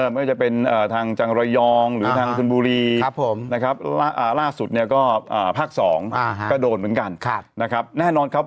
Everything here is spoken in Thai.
ไม่ว่าจะเป็นทางจังรยองหรือทางสุนบุรีนะครับ